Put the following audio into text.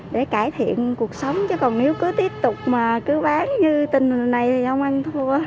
để cải thiện cuộc sống chứ còn nếu cứ tiếp tục mà cứ bán như tình hình này thì ông ăn thua